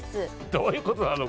どういうことなの？